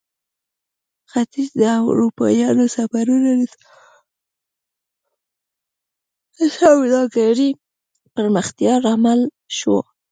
ختیځ ته د اروپایانو سفرونه د سوداګرۍ پراختیا لامل شول.